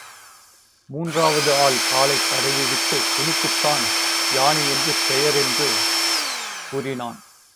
மூன்றாவது ஆள் காலைத் தடவி விட்டுத் துணுக்குத்தான் யானையென்று பெயர் என்று கூறினான்.